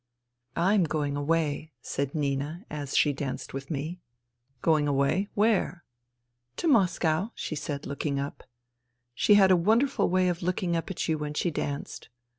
" I am going away," said Nina as she danced with me. " Going away ? Where ?"" To Moscow," she said, looking up. She had a wonderful way of looking up at you when she danced.